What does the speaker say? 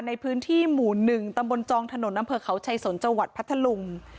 ในพื้นที่หมู่๑ตำบลจองถนนอำเภอเขาชัยสนจังหวัดพัทธลุง